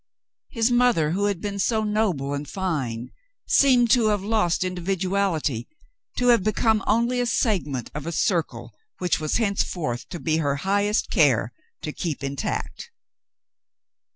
His mother, who had been so noble and fine, seemed to have lost individuality, to have become only a segment of a circle which it was henceforth to be her highest care to keep intact.